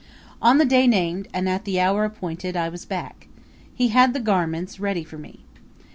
On the day named and at the hour appointed I was back. He had the garments ready for me.